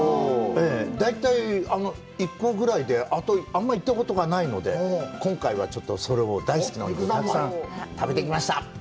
大体１個ぐらいで、あんま行ったことがないので、今回はちょっと、それを、大好きなお肉をたくさん食べてきました。